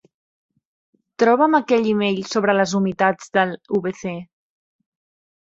Troba'm aquell email sobre les humitats del wc.